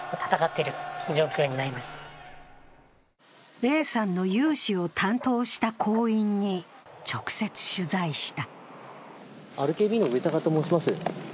Ａさんの融資を担当した行員に直接取材した。